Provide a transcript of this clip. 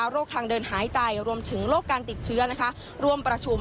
โรคทางเดินหายใจรวมถึงโรคการติดเชื้อร่วมประชุม